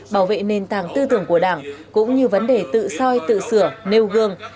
bảo vệ nền tảng tư tưởng của đảng cũng như vấn đề tự soi tự sửa nêu gương